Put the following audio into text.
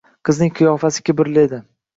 Qizning qiyofasi kibrli edi